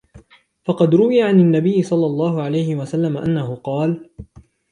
فَقَدْ رُوِيَ عَنْ النَّبِيِّ صَلَّى اللَّهُ عَلَيْهِ وَسَلَّمَ أَنَّهُ قَالَ